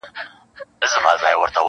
چي هرشی به یې وو لاس ته ورغلی -